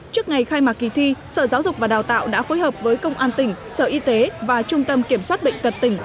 trước ngày khai mạc kỳ thi sở giáo dục và đào tạo đã phối hợp với công an tỉnh sở y tế và trung tâm kiểm soát bệnh tật tỉnh